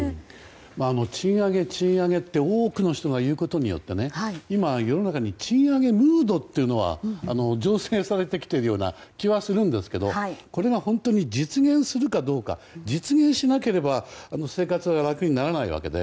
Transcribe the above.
賃上げ、賃上げって多くの人が言うことによって今、世の中に賃上げムードというのが醸成されてきているような気はするんですがこれが本当に実現するかどうか実現しなければ生活は楽にならないわけで。